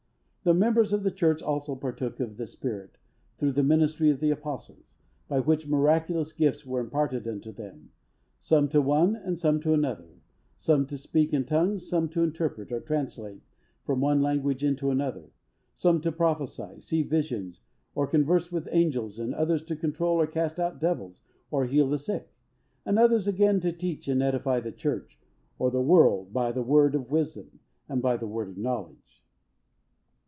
The members of the Church also partook of this Spirit, through the ministry of the Apostles, by which miraculous gifts were imparted unto them, some to one, and some to another: some to speak in tongues; some to interpret, or translate from one language into another; some to prophesy, see visions, or converse with angels; and others to control, or cast out devils, or heal the sick; and others, again, to teach and edify the Church, or the world, by the word of wisdom, and by the word of knowledge.